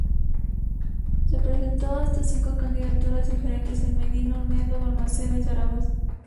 Se presentó hasta a cinco candidaturas diferentes en Medina-Olmedo, Valmaseda y Zaragoza.